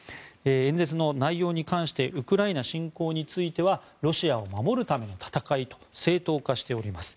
演説の内容に関してウクライナ侵攻についてはロシアを守るための戦いと正当化しています。